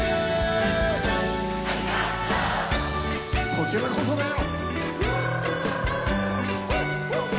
こちらこそだよ！